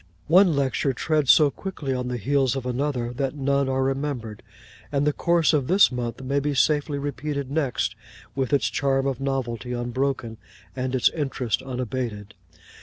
One lecture treads so quickly on the heels of another, that none are remembered; and the course of this month may be safely repeated next, with its charm of novelty unbroken, and its interest unabated.